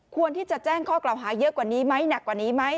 ควรที่จะแจ้งข้อกล่าวหาเยอะกว่านี้ไหมหนักกว่านี้ไหม